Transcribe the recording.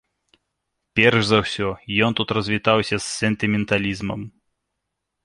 Перш за ўсё ён тут развітаўся з сентыменталізмам.